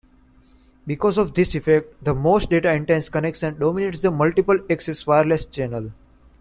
Because of this effect, the most data-intense connection dominates the multiple-access wireless channel.